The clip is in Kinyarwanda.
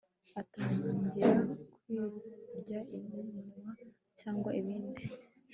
atangira kwirya iminwa cyangwa ibindi